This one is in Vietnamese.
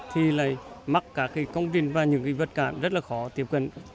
thì lại mắc các công trình và những vật cản rất là khó tiếp cận